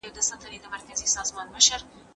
اخلاق دې ښه کېږي.